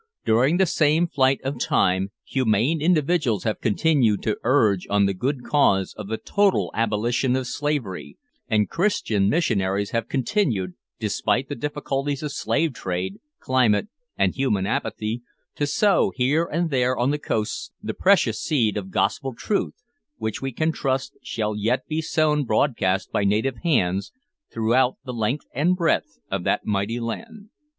During the same flight of time, humane individuals have continued to urge on the good cause of the total abolition of slavery, and Christian missionaries have continued, despite the difficulties of slave trade, climate, and human apathy, to sow here and there on the coasts the precious seed of Gospel truth, which we trust shall yet be sown broad cast by native hands, throughout the length and breadth of that mighty land.